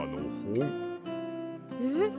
えっ？